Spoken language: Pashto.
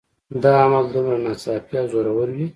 دا عمل دومره ناڅاپي او زوراور وي